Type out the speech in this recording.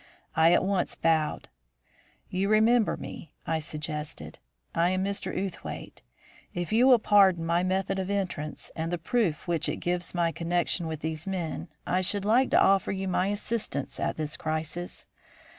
I at once bowed. "You remember me," I suggested. "I am Mr. Outhwaite. If you will pardon my method of entrance and the proof which it gives of my connection with these men, I should like to offer you my assistance at this crisis.